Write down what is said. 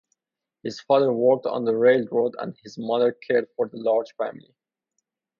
His father worked on the railroad, and his mother cared for the large family.